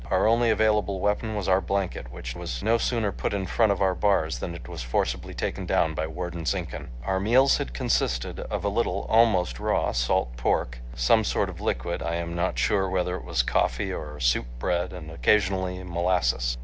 Our only available weapon was our blanket, which was no sooner put in front of our bars than it was forcibly taken down by Warden Zinkhan. Our meals had consisted of a little almost raw salt pork, some sort of liquid—I am not sure whether it was coffee or soup—bread and occasionally molasses.